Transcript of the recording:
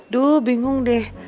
duh bingung deh